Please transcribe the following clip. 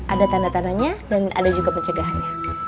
ada tanda tandanya dan ada juga pencegahannya